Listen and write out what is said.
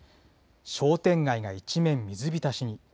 商店街が一面、水浸しに。